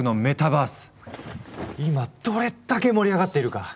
今どれだけ盛り上がっているか！